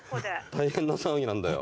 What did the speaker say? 大変な騒ぎなんだよ。